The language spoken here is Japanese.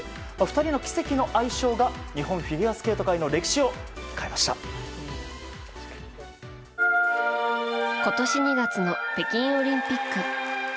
２人の奇跡の相性が日本フィギュアスケート界の今年２月の北京オリンピック。